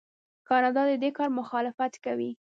کاناډا د دې کار مخالفت کوي.